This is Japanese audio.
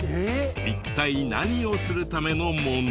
一体何をするためのもの？